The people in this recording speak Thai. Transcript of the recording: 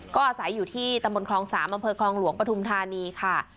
ก็อาศัยอยู่ที่ตำบลคลอง๓อำเภอคลองหลวงปฐุมธานีค่ะ